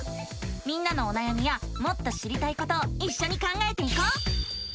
みんなのおなやみやもっと知りたいことをいっしょに考えていこう！